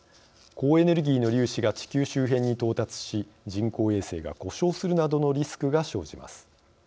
高エネルギーの粒子が地球周辺に到達し人工衛星が故障するなどのリスクが生じます。